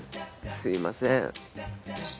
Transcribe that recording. すいません。